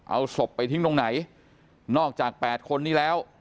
เอาศพไปทิ้งตรงไหนนอกจาก๘คนนี้แล้ว